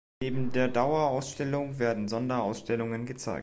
Neben der Dauerausstellung werden Sonderausstellungen gezeigt.